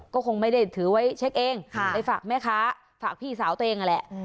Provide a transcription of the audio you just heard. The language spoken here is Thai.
ก็คงไม่ได้ถือไว้เช็คเองไปฝากแม่ค้าฝากพี่สาวตัวเองนั่นแหละ